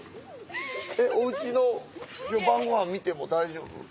おうちの晩ご飯見ても大丈夫？